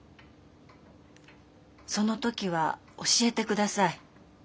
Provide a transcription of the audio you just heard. その時は教えてください。